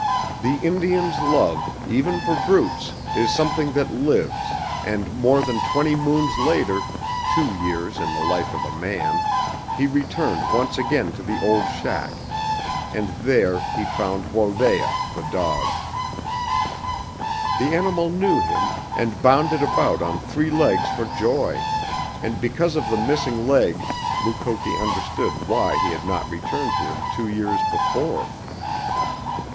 The Indian's love, even for brutes, is some thing that lives, and more than twenty moons later two years in the life of a man he returned once again to the old shack, and there he found Wholdaia, the dog! The animal knew him, and bounded about on three legs for joy, and because of the missing leg Mukoki understood why he had not returned to him two years before.